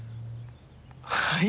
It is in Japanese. はい？